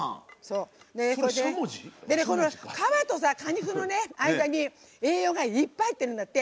皮と果肉の間に栄養がいっぱい入ってるんだって。